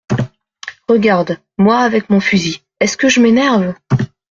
Regarde, moi avec mon fusil, est-ce que je m’énerve ?